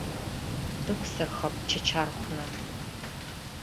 Дықәсырхап дчачархәны.